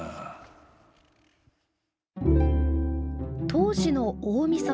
当時の大みそか。